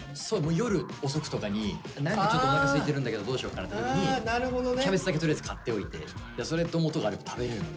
夜遅くとかに何かちょっとおなかすいてるんだけどどうしようかなって時にキャベツだけとりあえず買っておいてそれともとがあれば食べれるので。